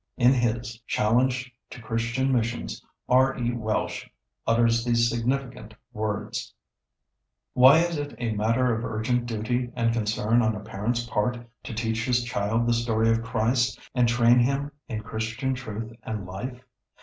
] In his "Challenge to Christian Missions," R. E. Welsh utters these significant words, "Why is it a matter of urgent duty and concern on a parent's part to teach his child the story of Christ and train him in Christian truth and life?...